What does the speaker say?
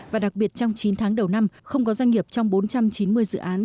và đặc biệt trong chín tháng đầu năm không có doanh nghiệp trong bốn trăm chín mươi dự án